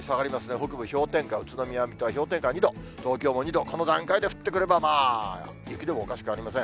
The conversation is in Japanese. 北部氷点下、宇都宮、水戸は氷点下２度、東京も２度、この段階で降ってくれば、まあ雪でもおかしくありません。